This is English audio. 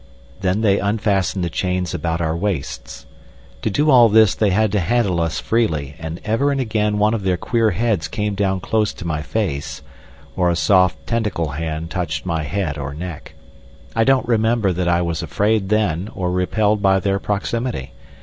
Then they unfastened the chains about our waists. To do all this they had to handle us freely, and ever and again one of their queer heads came down close to my face, or a soft tentacle hand touched my head or neck. I don't remember that I was afraid then or repelled by their proximity.